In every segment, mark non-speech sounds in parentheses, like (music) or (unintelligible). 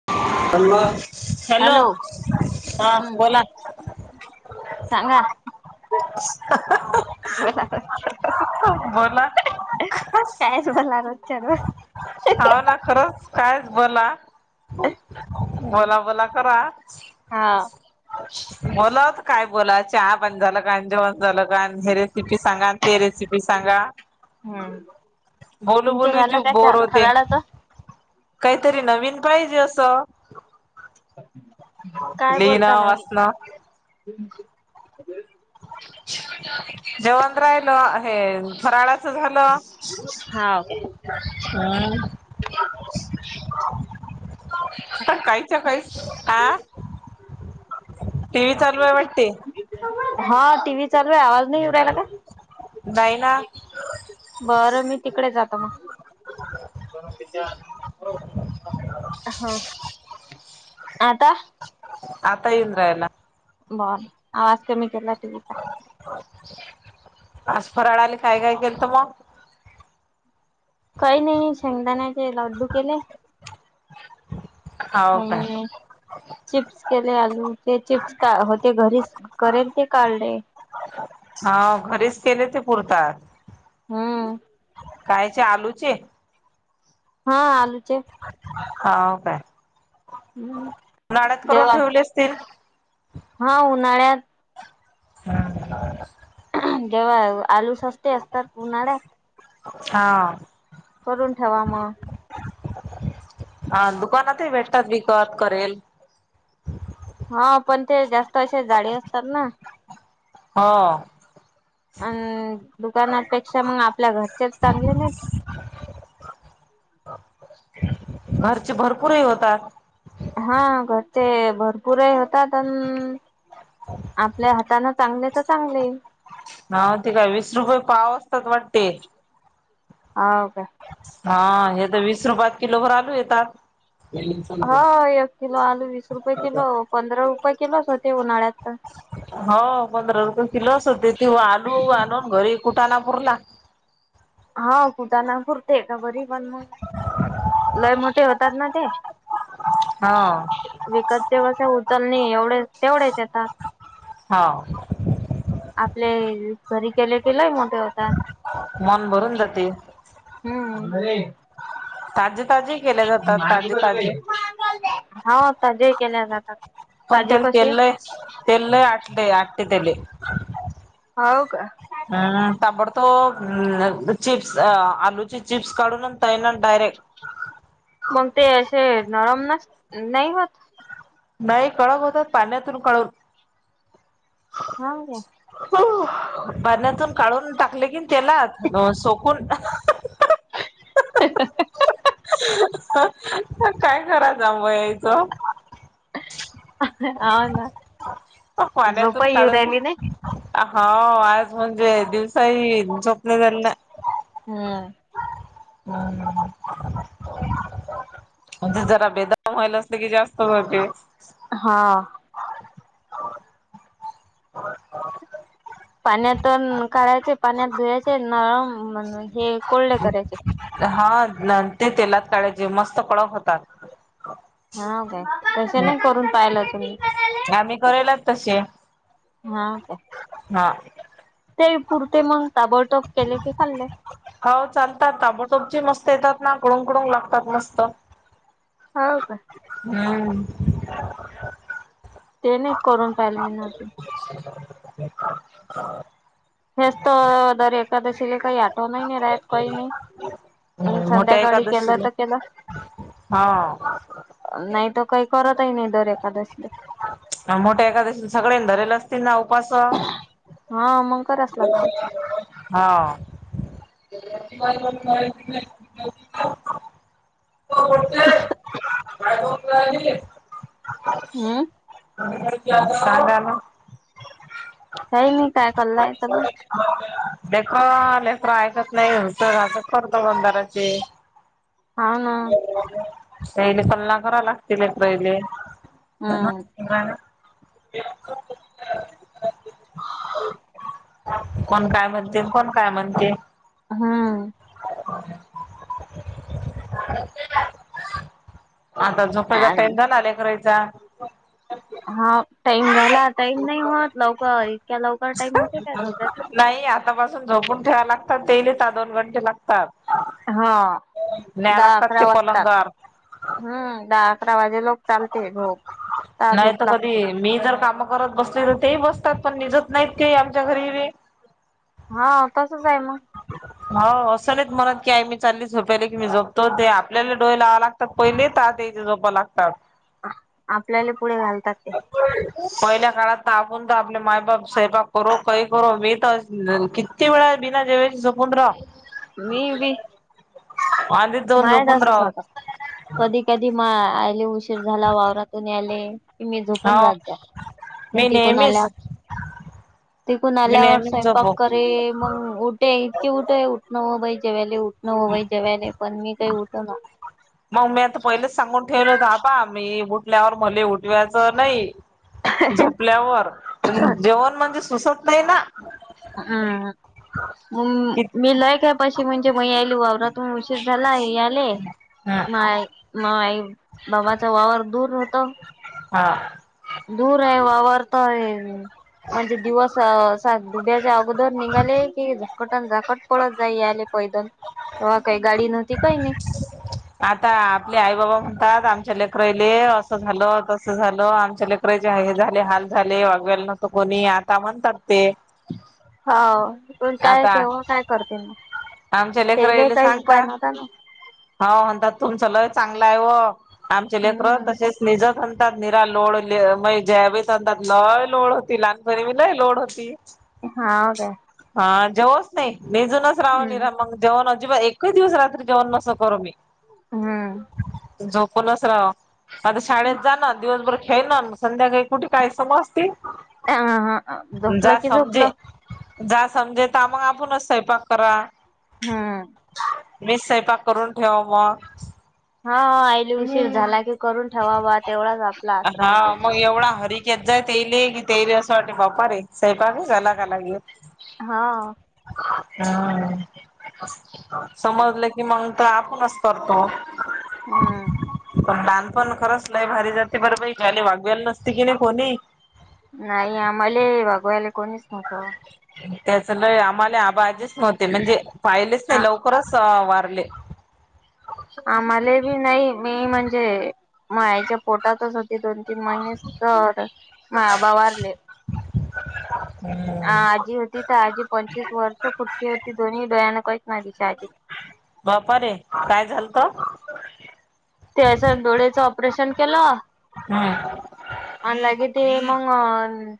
(unintelligible) Hello? हां हम्म बोला. सांगा (unintelligible) बोला कायच बोलणार रोजच्या रोज? हाव ना खरंच कायच बोला. बोला बोला करा. हा बोला आता काय बोला चहा पाणी झालं का? आणि जेवण झालं का? हे रेसिपी सांगा ते रेसिपी सांगा, बोलू तुमचं बोलू झालं जीव काय चा बोर होते. फराळाच काहीतरी नवीन पाहिजे असं. काय बोलता लिहिणं नवीन वाचणं. (unintelligible) (unintelligible) राहिलं हे फराळा चं झालं? हा ओके (unintelligible) (unintelligible) टी व्ही चालू आहे वाटते? हां टी व्ही चालू आहे आवाज नाही येऊ राहिला का? नाही ना. बरं मी तिकडे जातो मग. हां आता? आता येऊन राहिला. बर आवाज कमी केला टीव्हीचा. आज फराळाले काय काय केलंत मग? काही नाही शेंगदाण्याचे लड्डू केले. हाव काय (unintelligible) चिप्स केले आलू ते चिप्स का होते घरीच करेल ते काढले. हाव घरीच केले ते पुरतात. हां. कायचे आलूचे? हां आलूचे. हाव काय? (unintelligible) करून ठेवले असतील? हां उन्हाळ्यात. (inaudible) जेव्हा आलू सस्ते असतात उन्हाळ्यात. हां. करून ठेवा मग. हां दुकानातही भेटतात विकत करेल. हां पण ते जास्त असे जाडे असतात ना? हा अ दुकानापेक्षा मंग आपल्या घरच्याच चांगले नाय. घरचे भरपूरही होतात. हा घरचे भरपूर ही होतात आन आपल्या हातानं चांगले तर चांगले. हाव ते काय वीस रुपये पाव असतात वाटते. आव काय हा हे तर वीस रुपयात किलो भर आलू येतात. हा एक किलो आलू वीस रुपये किलो पंधरा रुपये किलोच होते उन्हाळ्यात तर. हो पंधरा रुपये किलोच होते ते आलू आणून घरी कुठा ना पुरला. हा कटाना पुुरते का बरी पण मंग लय मोठे होतात ना ते. हा. विकतचे वसे उचलणे एवढे तेवढेच येतात. हाव. आपले घरी केले की लय मोठे होतात. मन भरून जाते. हम्म. ताजे ताजे केले जातात ताजे ताजे हाव आता जे केल्या जातात. पण काजू त्याला कशी तेल लय आहे? तेल लय आटले आटते त्याले हाव का. हां ताबोडतोब अ चिप्स अ आलूची चिप्स काढून तैनान डयरेक्ट. मग ते अशे नरम नस नाही होत? नाही कडक होतात पाण्यातून कडक हाव क्या पाण्यातून काढून टाकले की तेलात न सोकून (unintelligible) काय कराचां म यायचं? हा ना पाण्यातून झोपाय येऊ काढून राहिली नाही. हो आज म्हणजे दिवसाही झोपले झालं ना. हम्म. (unintelligible) म्हणजे जरा बेदाम व्हायल असलं कि जास्त होते. हां. (unintelligible) पाण्यातून काढायचे पाण्यात धुवायचे नळम म्हणे. हा न ते तेलात काढायचे मस्त कडक होतात. हाव काय तसं हम्म नाही करून पाहिलं तुम्ही? आम्ही कळलेत तशे. हाव काय. हा. ते पुरते मंग ताबडतोप केले की खाल्ले. हो चालतात ताबडतोपचे मस्त येतात ना कुडूमकुडूम लागतात मस्त. हाव काय. हम्म. ते नाहीत करून पाहिलं मीने अजून. (unintelligible) हेच तर दर एकादशीला काही आट (unintelligible) संध्याकाडी केलं तर केलं. हां. नाही तर काही करत ही नाही दर एकादशीला. मोठ्या एकादशी सगळेन धरेली असतील ना उपास. हा मग कराच लागते (inaudible) हांव. हम्म (unintelligible) सांगा ना. काही नाही काय कलाय चालू. (unintelligible) हा ना. पहिले कल्ला करा लागतील लेकरेले. हम्म राना. कोण काय म्हणते, कोण काय म्हणते. हा. आता झोपयचा टाइम झाला लेकरायचा. हा टाईम झाला टाईम नाही होत. लवकर इतक्या लवकर टाईम होते का जोपायचा. नाही आतापासून झोपूण ठेवाय लागतात. तेईला दोन घंटे लागतात. हा. न्याय दहा लागतात ते अकरा वाजतात. पलंगावर. हम्म दहा आकरा वाजे‌ लोकं चालते झोप. ता नाही झोप तर कधी. लागते मी जर काम करत बसली ते बसतात. पण निजत नाहीत आमच्या घरी रे. हा तसंच आहे मग. हो असं नाहीत म्हणत की मी चालली झोप्याले. की मी जोपतो ते आपल्याला डोळे लावायला. पहिले ताते इत झोपा लागतात. आपल्याला पुढे घालतात ते. (unintelligible) पहिल्या काळात आपून तर आपले मायबाप स्वयंपाक करो. काही करो मी तर कि, किती वेळा बीना जेवाचे झोपून राहू. मी बी आधीच जाऊन झोपून मायडसा राह सारखा. कधी कधी मा आले उशीर झाला वावरातून याले. कि मी झोपून हो जात मग मी तिकून नेहमीच आल्यावर. तिकून मी आल्यावर नेहमीच स्वयंपाक झोपो करेल. मग उठे इतके उठ आहे उठणं हो बाई जेवले. उठणं हो बाई जेवायला पण मी काही उठे ना. मग मी आता पहिलेच सांगून ठेवलं होतं. आबा मी उठल्यावर मले उठवायचं नाही. झोपल्यावर पण जेवण म्हणजे सुसत नाही ना. हां. म कि मी लय कायपाशी म्हणजे मग याली वावरातून उशीर झाला हे आले. ह माय माय बाबाचं वावर दूर राहतं. हा. दूर आहे वावरतय म्हणजे दिवस (unintelligible) अगोदर नि सघाले की झाकटण झाकट पळत जाई आले. पैदल तेव्हा काही गाडी नव्हती काही नाही. आता आपले आई-बाबा म्हणतात. आमच्या लेकराले असं झालं तसं झालं आमचा लेक लेकराचे हे झाले हाल झाले (unintelligible) कोणीही आता म्हणतात ते. हा पण काय आता तेव्हा काय करतील. मग आमच्या तेले लेकराईले काही सांगता उपाय न हॅलो! हो आउंदा तुमचं लई चांगला आहे हो आमचे लेकरं हम्म तसेच निजा सणतात निरा लोड म ज्यावी सणतात ल लोड होती लहानपरमीला लोड होती (unintelligible) तेच (unintelligible) हाऊ काय? हा जेवोच नाही मीजूनच राहून रा मग जेवण अजिबात एकच दिवस रात्री जेवण नसो (unintelligible) करो मी. हम्म. झोपूनच राव आता शाळेत जा ना दिवसभर खेळना मग संध्याकाळी कुठे काही समजते? हाहा हाह झोपल जा की झोपलं. समजे जा सम्डेकामं आपणच स्वयंपाक करा. हम्म मी स्वयपाक करून ठेवाव मग. हा हा आईली उशीर झाला की करून ठेवावा तेवढाच आपला आसरा होते. हा मग एवढा हारीत जाय प्यायले की प्यायले असं वाटतं बाप्पा रे स्वयंपाकच अलग अलग (unintelligible) हा. हम्म समजलं की मग तर आपणच करतो. (inaudible) हम्म (unintelligible) पण लान पण खरंच लाई भारी जाते बरं बाई गली वागवेयला नसती की नाही कोणी (unintelligible) नाही आम्हाले वागवायला कोणीच नव्हत. त्याच ल आम्हाला आबाजीच नव्हते म्हणजे पाहिलेच आ नाही लवकरच वारले. आम्हाला बी नाही मी म्हणजे मायच्या पोटातच होते दोन तीन महिने माया बा वारले. हम् (unintelligible) अ आजी होती तर आजी पंचवीस वर्ष फुटकी होती दोन्ही डोळ्यानं कहीच ना दिसायचे. बाप्पा रे काय झालतं? त्याच्या डोळयाच ऑपरेशन केलं. हम्म आणि लागे ते मग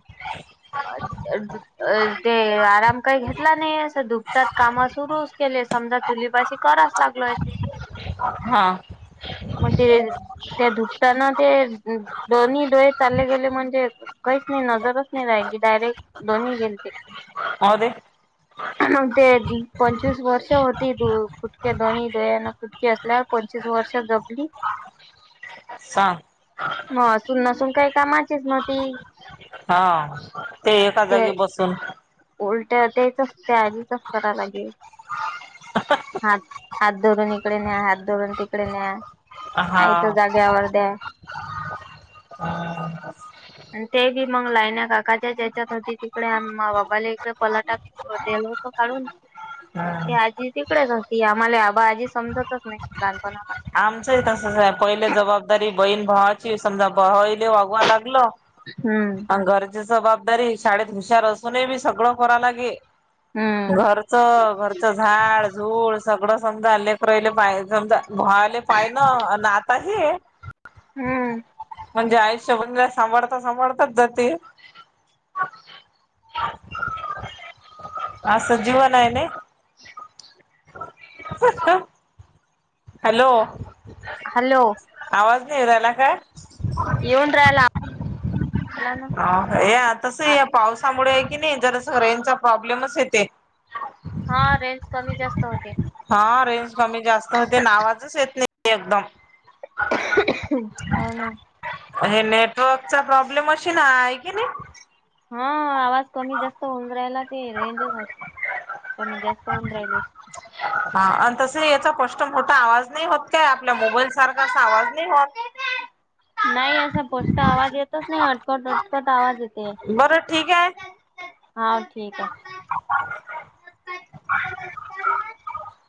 (inaudible) (unintelligible) अ अ (unintelligible) ते आराम काही घेतला नाही अस दुपटात काम सुरुच केले समजा चुलीपाशी कराच लागलोय हा. मग ते ते धुकताना ते दोन्ही डोळे चालले गेले म्हणजे काहीच नाही नजरच नाही नाही ती डायरेक्ट दोन्हीही गेलते. होद. (unintelligible) मग ते पंचवीस वर्ष होती तू फुटक्या दोनही दयान फुटक्या. असल्यावर पंचवीस वर्ष जगली. सांग. (unintelligible) मग असून नसून काही कामाचीच नव्हती. हा ते एका जागी बसून उलट तेच असते आधीच असत रा लागेल. हात हात धरून इकडे न्या हात धरून तिकडे न्या आयत हा. जाग्यावर द्या. आणि ते बी मग लाईण्या काकाच्या त्याच्यात होती तिकडे मा बाबाला ते (unintelligible) पलाटा दल होतो काढून ते हम्म. आजी. तिकडेचती आम्हाला आबा आजी समजतच नाही लहानपणापासून. तसंच आहे. पहिले जबाबदारी बहीण भावाची समजा भावाला वागवाव लागलं. हम्म. घरची जबाबदारी शाळेत हुशार असूनही बी सगळं करा लागे. हम्म घरचं घरचं झाड झूड सगळं. समजा लेकर राहिले पा समजा घुवायले पाहि ना अन आता हे. हम्म. म्हणजे आयुष्यभर सांभाळता सांभाळताच जाते. (inaudible) असं जीवन आहे नी. हॅलो. हॅलो. आवाज नाही येवून राहिला काय. येऊन राहिला बोला ना अ या तस आ या पाऊस. त्यामुळे कणी जरासं रेंजचा प्रॉब्लेमच येते. हा रेंज कमी जास्त होते. हा रेंज कमी जास्त होते. अन आवाजच येत नाही एकदम. हो ना. हे नेटवर्कचा प्रॉब्लेम अशी ना आहे कणी. हा आवाज कमीत जास्त होऊन राहिला. ते रेंजच असे कमीत जास्त. होऊन राहिली. (inaudible) हा आणि तसं ही यांचा स्पष्ट मोठ आवाज नाही होतं. काय आपल्या मोबाईल सारखा अस आवाज नाही होतं. (inaudible) नाही असा स्पष्ट आवाज येतच नाही. अटकत अटकत आवाज येते. बरं ठीक आहे. हां ठीक आहे. (inaudible)